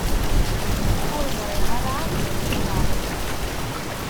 Ur ẓriɣ ara akk d acu iḍerrun.